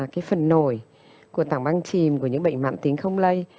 cái phần nổi của tảng băng chìm của những bệnh mạng tính không lây